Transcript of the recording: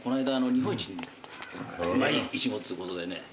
日本一うまいいちごっつうことでね。